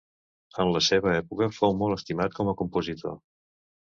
En la seva època fou molt estimat com a compositor.